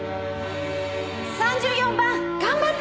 ３４番頑張って！